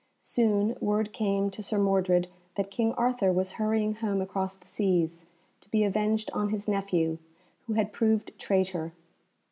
Soon word came to Sir Mordred that King Arthur was hurrying home across the seas, to be avenged on his nephew, who had proved traitor.